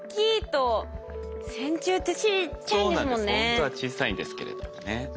ほんとは小さいんですけれどもね。